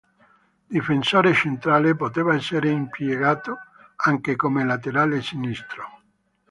Difensore centrale, poteva essere impiegato anche come laterale sinistro.